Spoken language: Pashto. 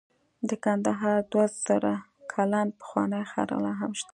د کندهار دوه زره کلن پخوانی ښار لاهم شته